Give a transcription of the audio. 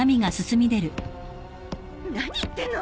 何言ってんの！？